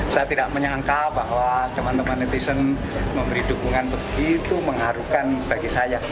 saya tidak menyangka bahwa teman teman netizen memberi dukungan begitu mengharukan bagi saya